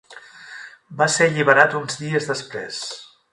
Va ser alliberat uns dies després.